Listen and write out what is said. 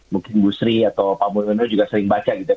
mungkin gusri atau pak munir juga sering baca gitu ya